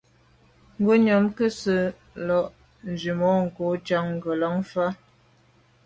Ngùnyàm nke nse’ la’ tswemanko’ njon ngelan fa.